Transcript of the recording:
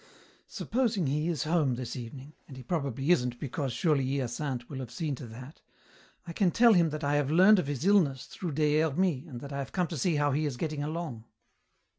"Supposing he is home this evening and he probably isn't, because surely Hyacinthe will have seen to that I can tell him that I have learned of his illness through Des Hermies and that I have come to see how he is getting along."